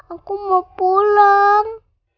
aku mau pulang